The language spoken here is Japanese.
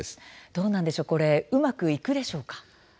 どうなんでしょうこれうまくいくでしょうか。